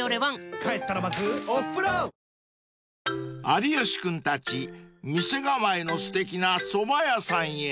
［有吉君たち店構えのすてきなそば屋さんへ］